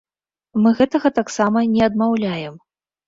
Мы гэта таксама не адмаўляем.